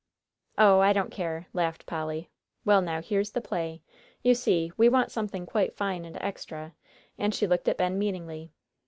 "Oh, I don't care," laughed Polly. "Well, now here's the play. You see, we want something quite fine and extra," and she looked at Ben meaningly.